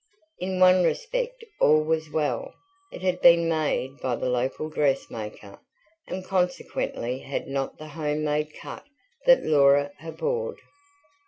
In one respect all was well: it had been made by the local dressmaker, and consequently had not the home made cut that Laura abhorred.